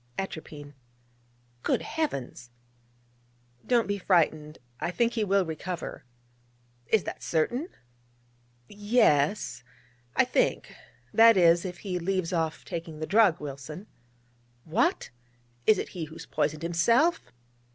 'Atropine.' 'Good Heavens!' 'Don't be frightened: I think he will recover.' 'Is that certain?' 'Yes, I think that is, if he leaves off taking the drug, Wilson.' 'What! it is he who has poisoned himself?'